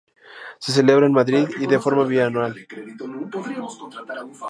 Se celebra en Madrid y de forma bianual.